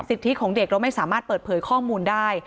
ทิตยของเด็กเราไม่สามารถเปิดเผยข้อมูลได้